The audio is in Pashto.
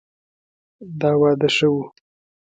دا واده ښه ؤ